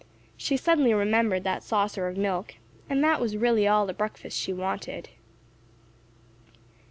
She suddenly remembered that saucer of milk, and that that was really all the breakfast she wanted.